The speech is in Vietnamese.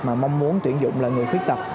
mà mong muốn tuyển dụng là người khuyết tập